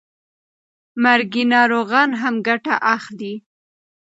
مرګي ناروغان هم ګټه اخلي.